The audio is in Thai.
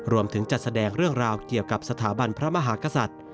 จัดแสดงเรื่องราวเกี่ยวกับสถาบันพระมหากษัตริย์